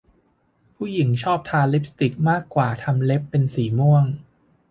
ผู้หญิงชอบทาลิปสติกมากทำเล็บเป็นสีม่วง